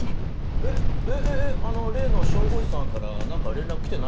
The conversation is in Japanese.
えっえっあの例の消防士さんから何か連絡来てないの？